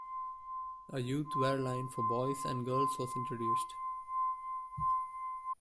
A youth wear line for boys and girls was introduced.